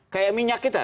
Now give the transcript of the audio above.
kayak minyak kita